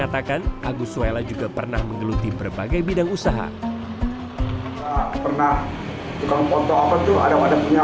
agus suhela juga pernah menggeluti berbagai bidang usaha pernah dikontrol apa tuh ada ada punya